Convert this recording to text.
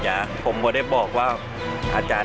ภารกิจสรรค์ภารกิจสรรค์